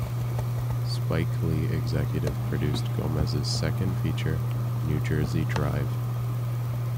Spike Lee executive produced Gomez's second feature, "New Jersey Drive".